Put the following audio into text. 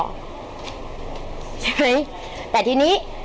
ใช่ไหมแต่ทีนี้